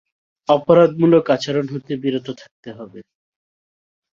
অপরাধমূলক আচরণ হতে বিরত থাকতে হবে।